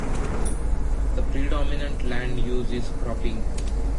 The predominant land use is cropping.